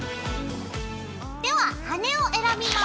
では羽根を選びます。